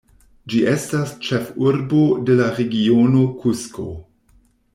Ĝi estas ĉefurbo de la Regiono Kusko.